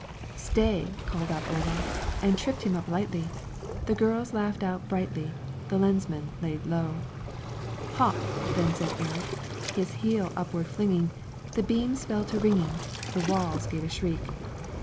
"Stay!" called out Ola, And tripped him up lightly; The girls laughed out brightly, The lensmand lay low. "Hop!" said then Erik, His heel upward flinging; The beams fell to ringing, The walls gave a shriek.